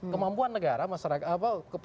kemampuan negara masyarakat